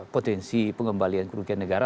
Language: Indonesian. potensi pengembalian kerugian negara